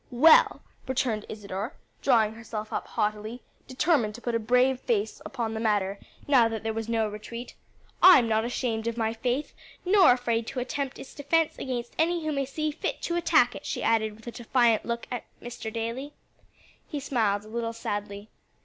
"Well," returned Isadore, drawing herself up haughtily, determined to put a brave face upon the matter, now that there was no retreat, "I'm not ashamed of my faith; nor afraid to attempt its defence against any who may see fit to attack it," she added with a defiant look at Mr. Daly. He smiled a little sadly.